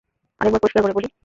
আরেকবার পরিষ্কার করে বলি।